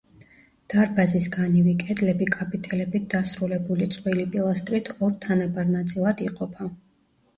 დარბაზის განივი კედლები კაპიტელებით დასრულებული წყვილი პილასტრით ორ თანაბარ ნაწილად იყოფა.